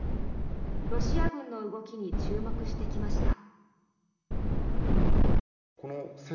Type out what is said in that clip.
ロシア軍の動きに注目してきました。